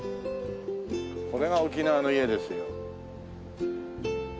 これが沖縄の家ですよ。